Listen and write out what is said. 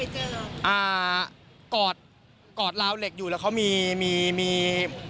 ตอนที่เราไปเจอแล้วอ่ากอดกอดลาวเหล็กอยู่แล้วเขามีมีมี